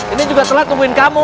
ini juga salah tungguin kamu